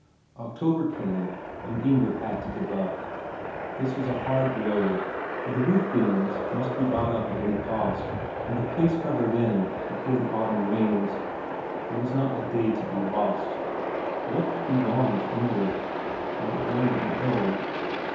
October came, and Inger had to give up. This was a hard blow, for the roof beams must be got up at any cost, and the place covered in before the autumn rains; there was not a day to be lost. What could be wrong with Inger? Not going to be ill?